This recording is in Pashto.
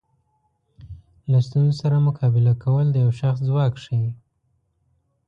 له ستونزو سره مقابله کول د یو شخص ځواک ښیي.